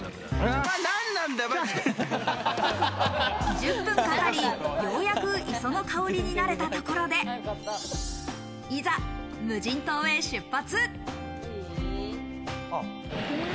１０分かかり、ようやく磯の香りに慣れたところで、いざ、無人島へ出発。